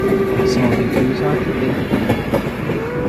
Sono i più usati e i più potenti.